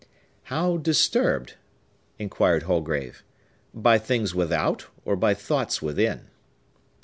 "How disturbed?" inquired Holgrave. "By things without, or by thoughts within?"